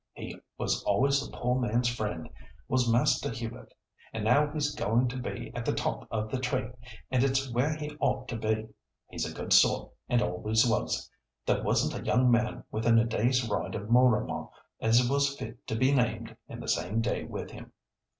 "He was always the poor man's friend, was Master Hubert; and now he's going to be at the top of the tree, and it's where he ought to be. He's a good sort, and always was. There wasn't a young man within a day's ride of Mooramah as was fit to be named in the same day with him."